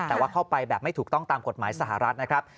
แต่ว่าเข้าไปแบบไม่ถูกต้องตามกฎหมายสหรัฐนะครับ